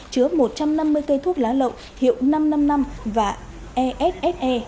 chứa một trăm năm mươi cây thuốc lá lậu hiệu năm trăm năm mươi năm và esse